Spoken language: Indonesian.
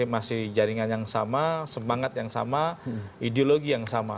masih jaringan yang sama semangat yang sama ideologi yang sama